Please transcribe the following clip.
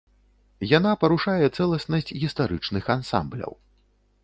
Яна парушае цэласнасць гістарычных ансамбляў.